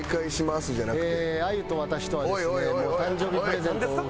「はい」じゃなくて。